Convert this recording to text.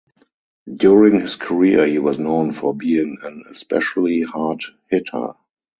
During his career, he was known for being an especially hard hitter.